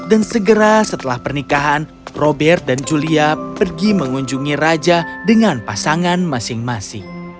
dan segera setelah pernikahan robert dan julia pergi mengunjungi raja dengan pasangan masing masing